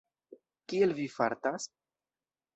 Kiel vi fartas?